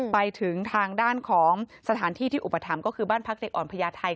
ไปถึงทางด้านของสถานที่ที่อุปถัมภ์ก็คือบ้านพักเด็กอ่อนพญาไทย